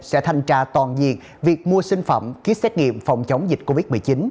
sẽ thanh tra toàn diện việc mua sinh phẩm ký xét nghiệm phòng chống dịch covid một mươi chín